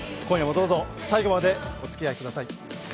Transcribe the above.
今夜もどうぞ最後までおつきあいください。